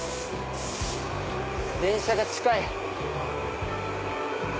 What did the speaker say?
電車が近い！